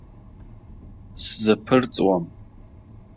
Сзаԥырҵуам.